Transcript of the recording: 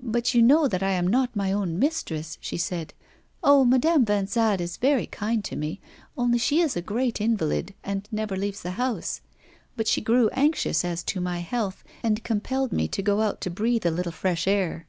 'But you know that I am not my own mistress,' she said. 'Oh, Madame Vanzade is very kind to me, only she is a great invalid, and never leaves the house. But she grew anxious as to my health and compelled me to go out to breathe a little fresh air.